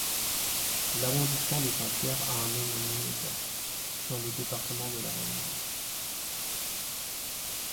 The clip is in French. L'arrondissement de Saint-Pierre a un homonyme exact, dans le département de La Réunion.